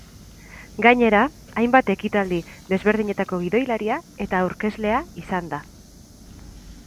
Gainera, hainbat ekitaldi desberdinetako gidoilaria eta aurkezlea izan da.